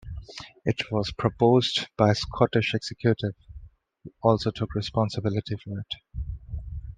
It was proposed by the Scottish Executive, who also took responsibility for it.